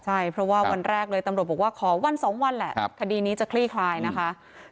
ใช่เพราะว่าวันแรกเลยตำรวจบอกว่าขอวัน๒วันแหละคดีนี้จะคลี่คลายนะคะ